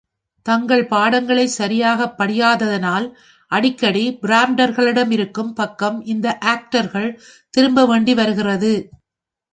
தங்கள் பாடங்களைச் சரியாகப் படியாததனால் அடிக்கடி பிராம்டர்களிருக்கும் பக்கம் இந்த ஆக்டர்கள் திரும்ப வேண்டி வருகிறது.